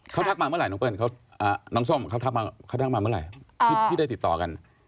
เขาทักมาเมื่อไหร่น้องส้มเขาทักมาเมื่อไหร่ที่ได้ติดต่อกัน